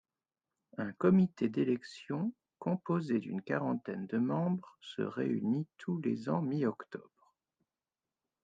Un comité d'élection, composé d'une quarantaine de membres, se réunit tous les ans mi-octobre.